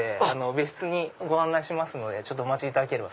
別室にご案内しますのでちょっとお待ちいただければ。